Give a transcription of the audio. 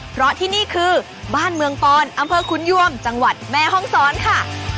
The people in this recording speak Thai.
เพราะที่นี่คือบ้านเมืองปอนอำเภอขุนยวมจังหวัดแม่ห้องซ้อนค่ะ